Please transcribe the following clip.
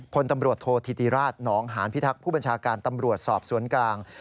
พลตำรวจโทษธิติราชหนองหานพิทักษ์ผู้บัญชาการตำรวจสอบสวนกลาง